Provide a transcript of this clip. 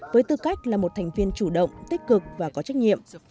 với tư cách là một thành viên chủ động tích cực và có trách nhiệm